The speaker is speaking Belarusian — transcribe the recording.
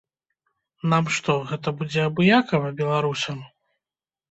Нам што, гэта будзе абыякава, беларусам?